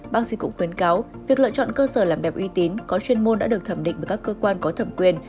bác sĩ cũng khuyến cáo việc lựa chọn cơ sở làm đẹp uy tín có chuyên môn đã được thẩm định bởi các cơ quan có thẩm quyền